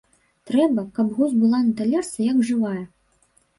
Трэба, каб гусь была на талерцы як жывая.